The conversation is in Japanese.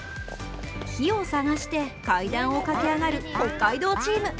火を探して階段を駆け上がる北海道チーム。